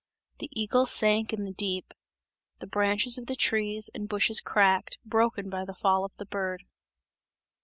The eagle sank in the deep; the branches of the trees and bushes cracked, broken by the fall of the bird.